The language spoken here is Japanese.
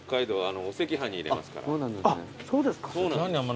あっそうですか。